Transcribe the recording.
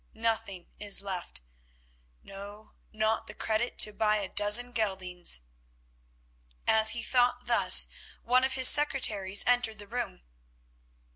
Nothing is left, no, not the credit to buy a dozen geldings." As he thought thus one of his secretaries entered the room.